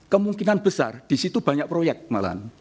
kemungkinan besar di situ banyak proyek malahan